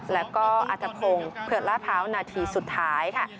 แล้วก็อัตภพงศ์เผือดลาดพร้าวนาทีสุดท้ายค่ะ